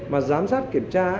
mà giám sát kiểm tra